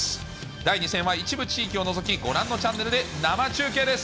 第２戦は一部地域を除き、ご覧のチャンネルで生中継です。